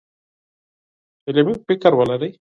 علمي فکر ولرئ.